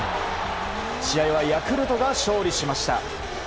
試合はヤクルトが勝利しました。